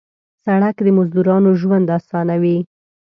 سړک د مزدورانو ژوند اسانوي.